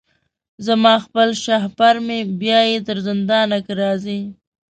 زما خپل شهپر مي بیايي تر زندانه که راځې